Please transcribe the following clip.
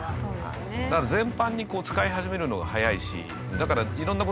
だから全般に使い始めるのが早いし。